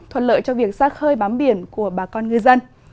thuận lợi cho việc xác hơi bám biển của bà con người dân